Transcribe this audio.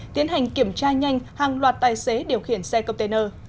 tiến hành kiểm tra nhanh hàng loạt tài xế điều khiển xe container